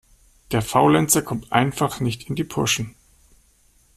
Der Faulenzer kommt einfach nicht in die Puschen.